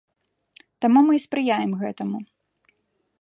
Таму мы і спрыяем гэтаму.